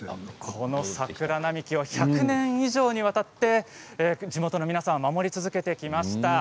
この桜並木を１００年以上にわたって地元の皆さんは守り続けてきました。